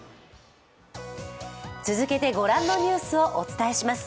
続けてご覧のニュースをお伝えします。